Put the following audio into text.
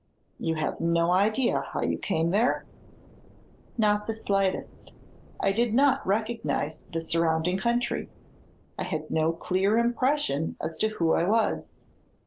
"You have no idea how you came there?" "Not the slightest. I did not recognize the surrounding country; I had no clear impression as to who I was.